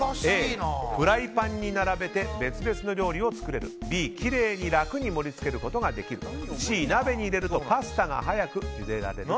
Ａ、フライパンに並べ別々の料理を作れるＢ、きれいに楽に盛りつけることができるＣ、鍋に入れるとパスタが早くゆでられる。